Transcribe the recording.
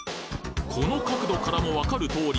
この角度からも分かる通り